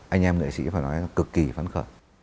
anh em nghệ sĩ phải nói là cực kỳ phấn khởi